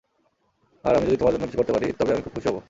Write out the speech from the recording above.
আর আমি যদি তোমার জন্য কিছু করতে পারি, তবে আমি খুব খুশি হবো।